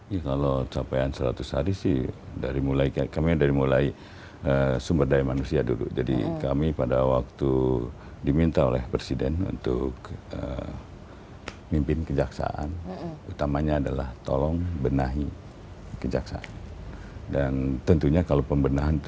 ya kalau capaian seratus hari sih dari mulai kayak kami dari mulai sumber daya manusia dulu jadi kami pada waktu diminta oleh presiden untuk mimpin kejaksaan utamanya adalah tolong benahi kejaksaan dan tentunya kalau pembenahan itu